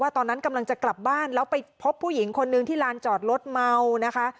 ตอนนั้นกำลังจะกลับบ้านแล้วไปพบผู้หญิงคนนึงที่ลานจอดรถเมานะคะ